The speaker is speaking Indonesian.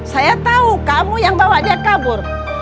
saya tahu kamu yang bawa dia kabur